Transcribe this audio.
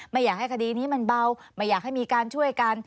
ไม่อยากให้คดีนี้มันเบาไม่อยากให้มีการช่วยกัน